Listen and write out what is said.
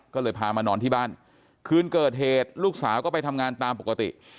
ก็เลยพามานอนที่บ้านคืนเกิดเหตุลูกสาวก็ไปทำงานตามปกติ